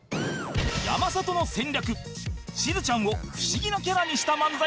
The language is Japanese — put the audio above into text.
山里の戦略しずちゃんを不思議なキャラにした漫才がこちら